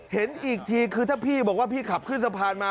เห็นอีกทีคือถ้าพี่บอกว่าพี่ขับขึ้นสะพานมา